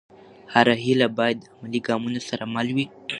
هره هېله باید د عملي ګامونو سره مل وي.